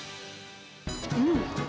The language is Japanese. うん！